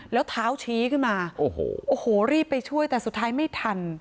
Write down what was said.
แล้วเท้าชี้ขึ้นมาโอ้โหโอ้โหรีบไปช่วยแต่สุดท้ายไม่ทัน